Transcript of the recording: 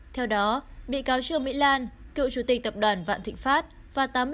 theo đó bị cáo trương mỹ lan cựu chủ tịch tập đoàn vạn thịnh pháp